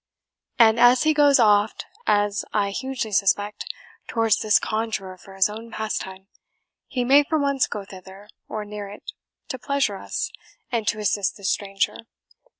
"And as he goes oft (as I hugely suspect) towards this conjurer for his own pastime, he may for once go thither, or near it, to pleasure us, and to assist this stranger.